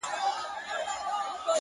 نیکه لمیسو ته نکلونه د جنګونو کوي!.